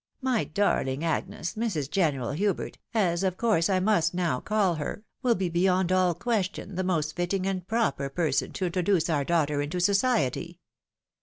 My darling Agnes, Mrs. General Hubert, as of course I must now call her, will be beyond all question the most fitting and proper person to introduce our daughter into society.